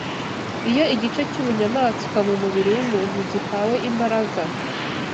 Iyo igice cy’ubunyamaswa mu mubiri w’umuntu gihawe imbaraga